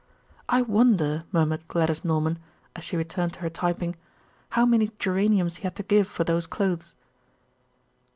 "I wonder," murmured Gladys Norman, as she returned to her typing, "how many geraniums he had to give for those clothes."